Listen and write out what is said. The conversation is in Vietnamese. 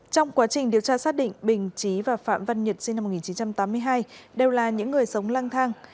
trong quá trình điều tra xác định bình trí và phạm văn nhật sinh năm một nghìn chín trăm tám mươi hai đều là những người sống lang thang